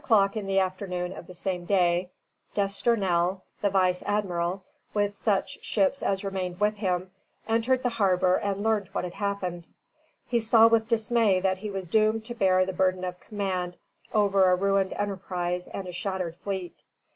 ] At six o'clock in the afternoon of the same day D'Estournel, the vice admiral, with such ships as remained with him, entered the harbor and learned what had happened. He saw with dismay that he was doomed to bear the burden of command over a ruined enterprise and a shattered fleet.